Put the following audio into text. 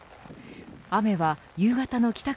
雨は夕方の帰宅